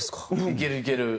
いけるいける！